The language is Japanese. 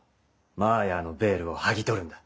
マーヤーのヴェールを剥ぎ取るんだ。